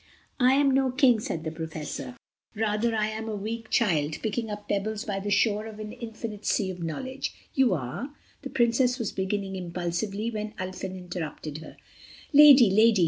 "I am no King," said the Professor, "rather I am a weak child picking up pebbles by the shore of an infinite sea of knowledge." "You are," the Princess was beginning impulsively, when Ulfin interrupted her. "Lady, lady!"